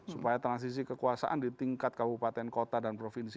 supaya transisi kekuasaan di tingkat kabupaten kota dan provinsi